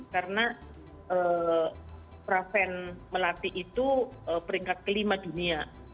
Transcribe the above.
karena pra fan melati itu peringkat kelima dunia